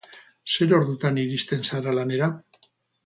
Zer ordutan iristen zara lanera?